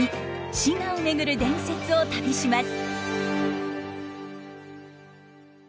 滋賀を巡る伝説を旅します。